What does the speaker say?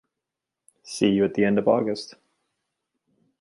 See you at the end of August.